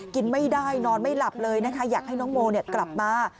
กินไม่ได้นอนไม่หลับเลยนะคะอยากให้น้องโมกลับมา